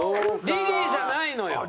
リリーじゃないのよ。